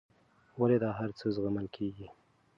ولې دا هرڅه زغمل کېږي.